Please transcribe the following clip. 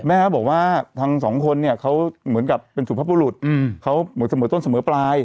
เขาบอกว่าทั้งสองคนเนี่ยเขาเหมือนกับเป็นสุภบุรุษเขาเหมือนเสมอต้นเสมอปลาย